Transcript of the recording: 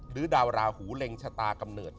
ดาวราหูเล็งชะตากำเนิด